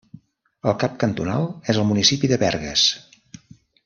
El cap cantonal és el municipi de Bergues.